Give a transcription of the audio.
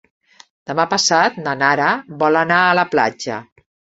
Demà passat na Nara vol anar a la platja.